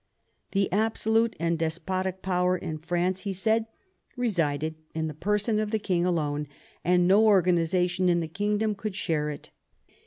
The absolute and despotic power in France, he said, resided in the person of the king alone, and no organisation in the kingdom could share it.